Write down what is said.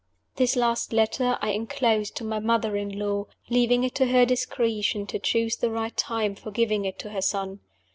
This last letter I inclosed to my mother in law, leaving it to her discretion to choose the right time for giving it to her son.